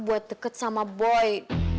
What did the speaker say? buat deket sama boy